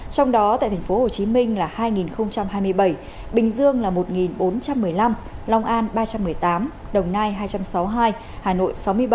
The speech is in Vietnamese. trong đó tại tp hcm là hai hai mươi bảy bình dương là một bốn trăm một mươi năm long an ba trăm một mươi tám đồng nai hai trăm sáu mươi hai hà nội sáu mươi bảy